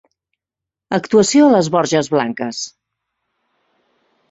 Actuació a les Borges Blanques.